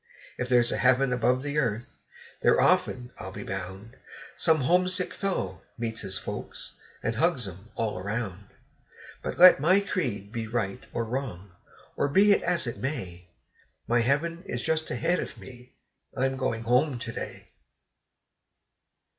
If there's a heaven above the earth, there often, I'll be bound, Some homesick fellow meets his folks, and hugs 'em all around. But let my creed be right or wrong, or be it as it may, My heaven is just ahead of me I'm going home to day.